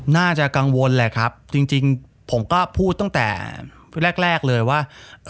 น่าจะกังวลแหละครับจริงผมก็พูดตั้งแต่แรกแรกเลยว่า